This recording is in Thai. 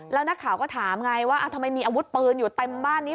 แล้วหน้าขาวก็ถามไงว่าทำไมมีอาวุธปืนอยู่ในบ้านเอง